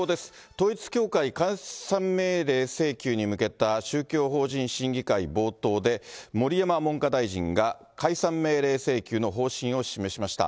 統一教会解散命令請求に向けた宗教法人審議会冒頭で、盛山文科大臣が解散命令請求の方針を示しました。